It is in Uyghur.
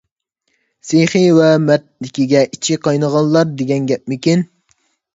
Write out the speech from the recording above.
سېخىي ۋە مەردلىكىگە ئىچى قاينىغانلار دېگەن گەپمىكىن.